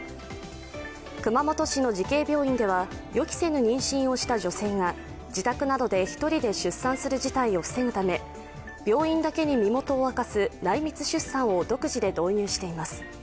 熊本市の慈恵病院では予期せぬ妊娠をした女性が自宅などで１人で出産する事態を防ぐため病院だけに身元を明かす内密出産を独自で導入しています。